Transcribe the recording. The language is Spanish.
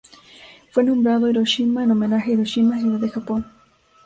Fue nombrado Hiroshima en homenaje a Hiroshima ciudad de Japón.